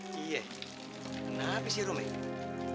cie kenapa sirum ini